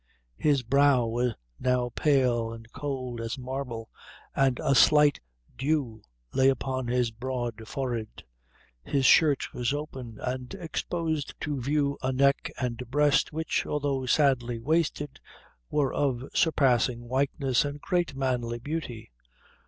His brow was now pale and cold as marble, and a slight dew lay upon his broad forehead; his shirt was open, and exposed to view a neck and breast, which, although sadly wasted, were of surpassing whiteness and great manly beauty.